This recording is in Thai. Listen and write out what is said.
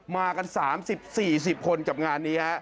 มากัน๓๐๔๐คนกับงานนี้ฮะ